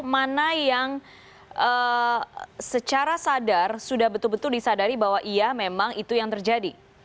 mana yang secara sadar sudah betul betul disadari bahwa iya memang itu yang terjadi